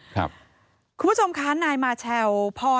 คุณผู้ชมคะนายมาเชลพ่อ